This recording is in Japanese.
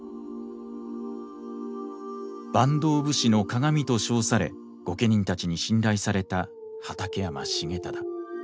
坂東武士の鑑と称され御家人たちに信頼された畠山重忠。